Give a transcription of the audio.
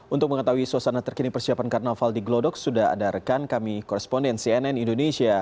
untuk mengetahui suasana terkini persiapan karnaval di glodok sudah ada rekan kami koresponden cnn indonesia